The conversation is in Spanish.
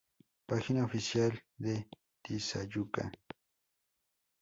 Página oficial de Tizayuca